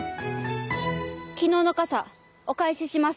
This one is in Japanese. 昨日の傘お返ししますわ。